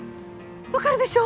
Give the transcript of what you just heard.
分かるでしょ？